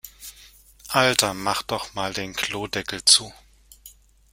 Alter, mach doch mal den Klodeckel zu!